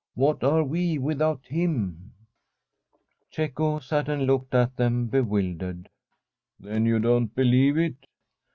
What are we without him ?* Cecco sat and looked at them bewildered. * Then you don't believe it